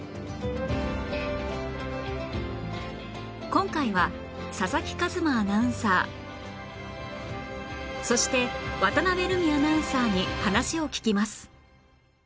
今回は佐々木一真アナウンサーそして渡辺瑠海アナウンサーに話を聞きます